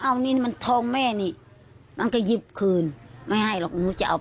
เอานี่มันทองแม่นี่มันก็หยิบคืนไม่ให้หรอกหนูจะเอา